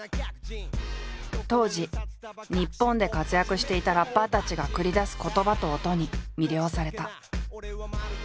当時日本で活躍していたラッパーたちが繰り出す言葉と音に魅了された。